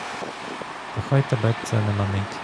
Та хай тебе це не манить.